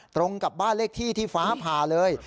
ตรงกับบ้านเลขที่ที่ฟ้าผ่าเลย